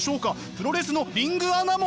プロレスのリングアナも！